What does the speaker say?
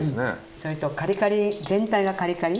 それとカリカリ全体がカリカリ。